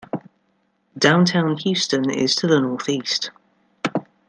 Downtown Houston is to the northeast.